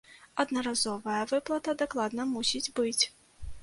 Аднаразовая выплата дакладна мусіць быць.